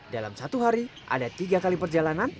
dalam satu hari ada tiga kali perjalanan